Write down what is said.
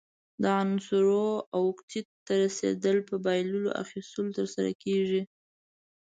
د عنصرونو اوکتیت ته رسیدل په بایللو، اخیستلو ترسره کیږي.